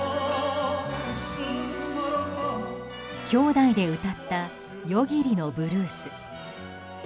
兄弟で歌った「夜霧のブルース」。